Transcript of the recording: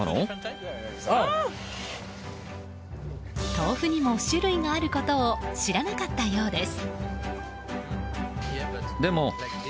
豆腐にも種類があることを知らなかったようです。